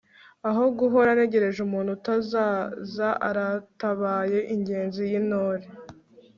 aho guhora ntegereje umuntu utazazaaratabaye ingenzi y'intore